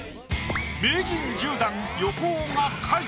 名人１０段横尾が下位。